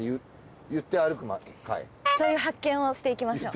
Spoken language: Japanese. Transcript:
そういう発見をしていきましょう。